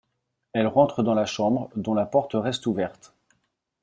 Elle rentre dans la chambre, dont la porte reste ouverte.